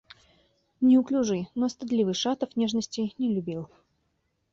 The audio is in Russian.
Неуклюжий, но стыдливый Шатов нежностей не любил.